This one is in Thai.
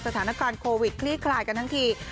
สถานการณ์โควิดคลี่คลายกันทั้งที